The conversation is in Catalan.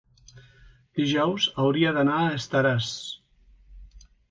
dijous hauria d'anar a Estaràs.